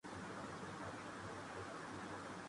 مریض سے متعلق یہ وضاحت طلب کی جاتی ہے